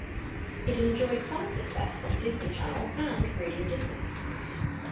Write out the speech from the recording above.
It enjoyed some success on Disney Channel and Radio Disney.